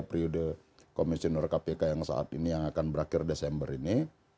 periode komisioner kpk yang saat ini yang akan berakhir desember ini